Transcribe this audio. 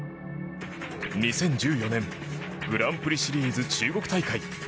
２０１４年グランプリシリーズ中国大会。